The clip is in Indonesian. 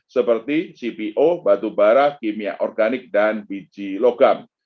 seperti cpo batubara kimia organik dan biji logam